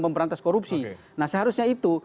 memberantas korupsi nah seharusnya itu